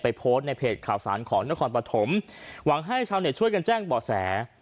โพสต์ในเพจข่าวสารของนครปฐมหวังให้ชาวเน็ตช่วยกันแจ้งบ่อแส